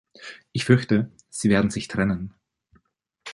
Ich fürchte, sie werden sich trennen.